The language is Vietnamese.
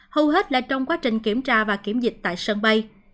hầu hết là trong quá trình kiểm tra và kiểm dịch tại sân bay